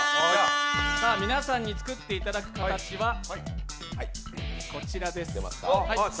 皆さんに作っていただく形はこちらです。